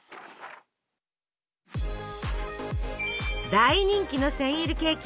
大人気のセンイルケーキ。